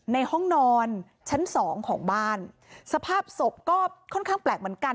ในห้องนอนชั้นสองของบ้านสภาพศพก็ค่อนข้างแปลกเหมือนกัน